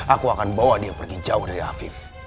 aku akan bawa dia pergi jauh dari afif